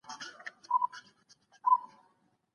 ایا زیاته ډوډۍ ماڼۍ ته وړل کیږي؟